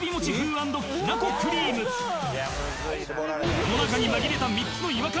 この中に紛れた３つの違和感